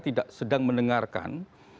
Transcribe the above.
tidak sedang mendengarkan